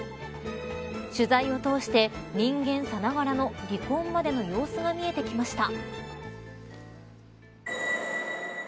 取材を通して人間さながらの離婚までの様子が見えてきました。